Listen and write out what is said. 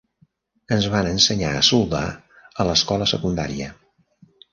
Ens van ensenyar a soldar a l'escola secundària.